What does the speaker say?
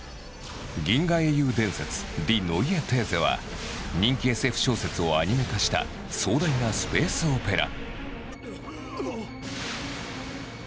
「銀河英雄伝説ＤｉｅＮｅｕｅＴｈｅｓｅ」は人気ＳＦ小説をアニメ化した壮大なスペース・オペラ。